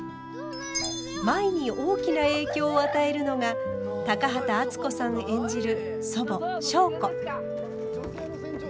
舞に大きな影響を与えるのが高畑淳子さん演じる祖母祥子。